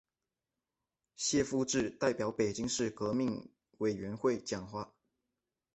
谢富治代表北京市革命委员会讲话。